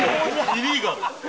イリーガル。